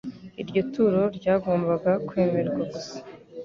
Iryo turo ryagombaga kwemerwa gusa,